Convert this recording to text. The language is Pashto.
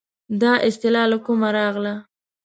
دا اصطلاح له کومه راغله.